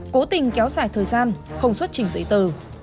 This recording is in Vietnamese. cố tình kéo dài thời gian không xuất trình giấy tờ